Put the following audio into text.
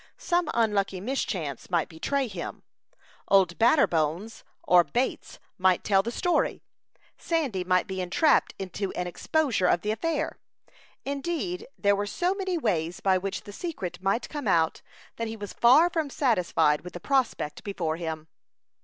Some unlucky mischance might betray him; "Old Batterbones" or Bates might tell the story; Sandy might be entrapped into an exposure of the affair; indeed, there were so many ways by which the secret might come out, that he was far from satisfied with the prospect before him.